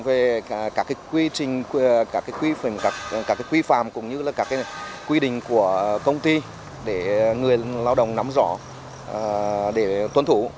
về các quy phạm cũng như các quy định của công ty để người lao động nắm rõ để tôn thủ